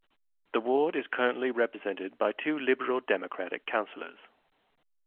The ward is currently represented by two Liberal Democrat councillors.